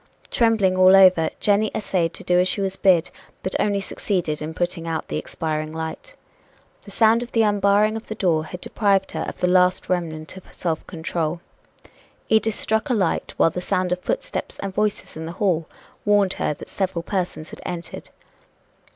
Trembling all over, Jenny essayed to do as she was bid, but only succeeded in putting out the expiring light. The sound of the unbarring of the door had deprived her of the last remnant of self control. Edith struck a light, while the sound of footsteps and voices in the hall warned her that several persons had entered.